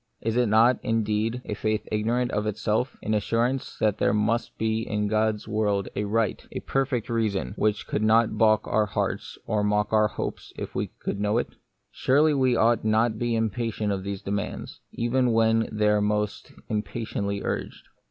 Is it not, indeed, a faith ignorant of itself ?— an assurance that there must be in God's world a right, a perfect reason, which would not baulk our hearts or mock our hopes if we could know it ? Surely we ought not to be impatient of these demands, even when they are most impatiently urged.